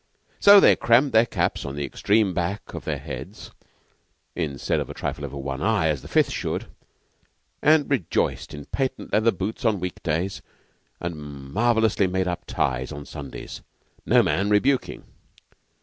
So they crammed their caps at the extreme back of their heads, instead of a trifle over one eye as the Fifth should, and rejoiced in patent leather boots on week days, and marvellous made up ties on Sundays no man rebuking.